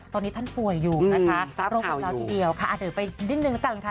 ตอนนี้ท่านป่วยอยู่นะคะร่วมของเราทีเดียวอ่ะเดินไปนิดนึงละกัน